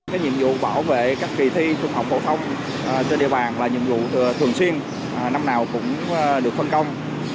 cái nhiệm vụ bảo vệ các kỳ thi trung học phổ thông trên địa bàn là nhiệm vụ thường xuyên năm nào cũng được phân công